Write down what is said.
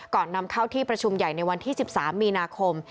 นำเข้าที่ประชุมใหญ่ในวันที่๑๓มีนาคม